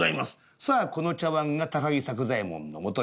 さあこの茶碗が高木作左衛門のもとに。